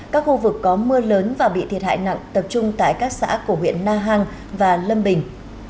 các khu vực có mưa lớn và bị thiệt hại nặng tập trung tại các xã của huyện na hàng và lâm bình